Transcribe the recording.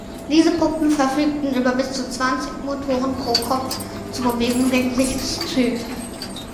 Diese Puppen verfügten über bis zu zwanzig Motoren pro Kopf zur Bewegung der Gesichtszüge.